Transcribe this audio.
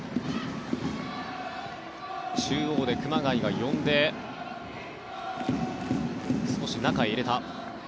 中央で熊谷が呼んで少し中へ入れた。